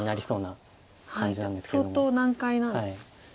相当難解な形なんですね。